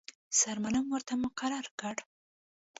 سرمعلم ورته مقرر کړ.